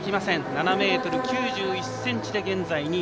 ７ｍ９２ｃｍが現在２位。